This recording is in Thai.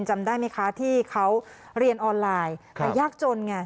จำได้ไหมคะที่เขาเรียนออนไลน์แต่ยากจนไง